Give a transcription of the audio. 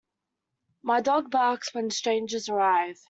My dog barks when strangers arrive.